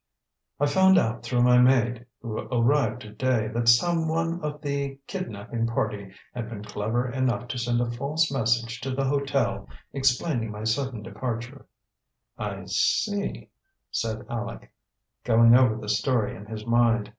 "I found out, through my maid, who arrived today, that some one of the kidnapping party had been clever enough to send a false message to the hotel, explaining my sudden departure." "I see, I see," said Aleck, going over the story in his mind.